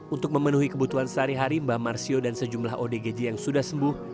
untuk memenuhi kebutuhan sehari hari mbah marsio dan sejumlah odgj yang sudah sembuh